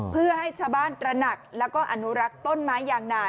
เพื่อให้ชาวบ้านตระหนักแล้วก็อนุรักษ์ต้นไม้ยางนา